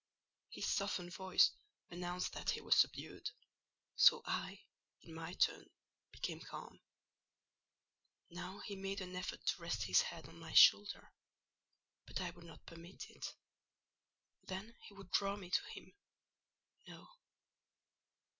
His softened voice announced that he was subdued; so I, in my turn, became calm. Now he made an effort to rest his head on my shoulder, but I would not permit it. Then he would draw me to him: no.